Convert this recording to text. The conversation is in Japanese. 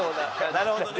なるほどね。